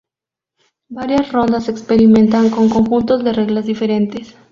Varias rondas experimentan con conjuntos de reglas diferentes.